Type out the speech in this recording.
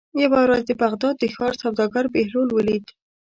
یوه ورځ د بغداد د ښار سوداګر بهلول ولید.